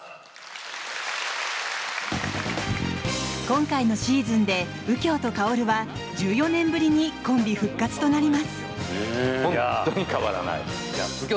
今回のシーズンで右京と薫は１４年ぶりにコンビ復活となります。